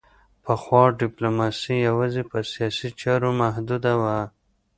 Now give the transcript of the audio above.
پخوا ډیپلوماسي یوازې په سیاسي چارو محدوده وه